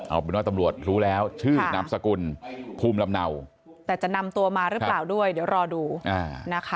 เอาเป็นว่าตำรวจรู้แล้วชื่อนามสกุลภูมิลำเนาแต่จะนำตัวมาหรือเปล่าด้วยเดี๋ยวรอดูนะคะ